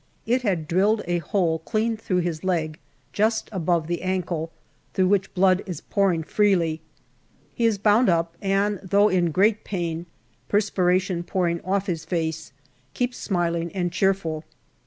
It had drilled a hole clean through his leg, just above the ankle, through which blood is pouring freely. He is bound up and, though in great pain, perspiration pouring off his face, keeps smiling and cheerful.